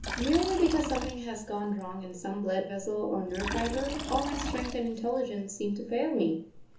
Merely because something has gone wrong in some blood vessel or nerve fibre, all my strength and intelligence seem to fail me.